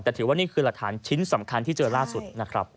แต่ถือว่านี่คือหลักฐานชิ้นสำคัญที่เจอล่าสุดนะครับ